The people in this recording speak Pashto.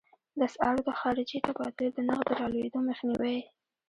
د اسعارو د خارجې تبادلې د نرخ د رالوېدو مخنیوی.